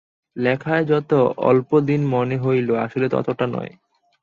লেখায় যত অল্পদিন মনে হইল, আসলে ততটা নয়।